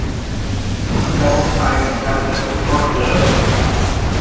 Kells' time in cabinet was short-lived.